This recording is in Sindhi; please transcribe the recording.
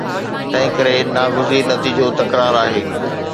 تنهنڪري ناگزير نتيجو تڪرار آهي.